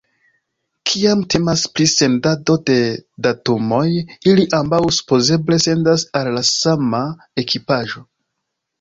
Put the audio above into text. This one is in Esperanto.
Kiam temas pri sendado de datumoj, ili ambaŭ supozeble sendas al la sama ekipaĵo.